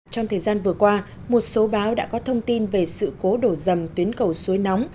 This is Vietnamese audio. trong thời gian vừa qua một số báo đã có thông tin về sự cố đổ rầm tuyến cầu suối nóng